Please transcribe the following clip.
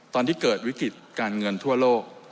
ตอนที่เกิดวิกฤติการเงินทั่วโลก